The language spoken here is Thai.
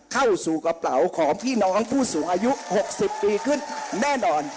เข้าสู่กระเป๋าของพี่น้องผู้สูงอายุ๖๐ปีขึ้นแน่นอน